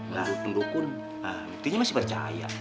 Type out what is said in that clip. tuh tentu pun artinya masih percaya